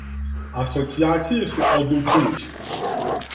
Асоцијације су одлучујуће.